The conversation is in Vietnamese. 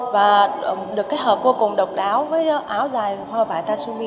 và được kết hợp vô cùng độc đáo với áo dài hoa vải tasumi